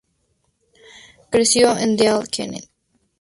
Creció en Deal, Kent.